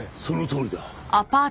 そのとおりだ。